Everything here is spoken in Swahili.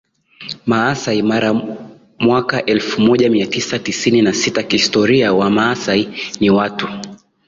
Maasai Mara mwaka elfu moja mia tisa tisini na sita Kihistoria Wamaasai ni watu